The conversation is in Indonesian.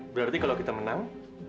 berarti kalau kita menang